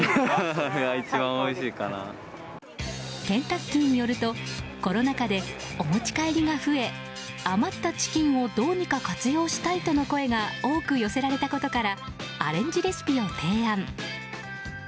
ケンタッキーによるとコロナ禍でお持ち帰りが増え余ったチキンをどうにか活用したいとの声が多く寄せられたことからアレンジレシピを提案。